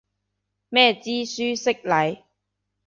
咩知書識禮